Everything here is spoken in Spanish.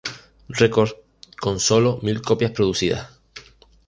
Records, con sólo mil copias producidas.